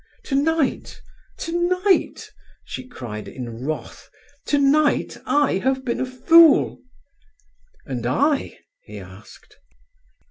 "Tonight, tonight!" she cried in wrath. "Tonight I have been a fool!" "And I?" he asked.